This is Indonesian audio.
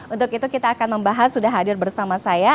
untuk itu kita akan membahas sudah hadir bersama saya